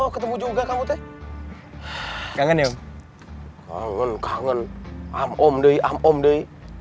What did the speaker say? kangen kangen am om deh am om deh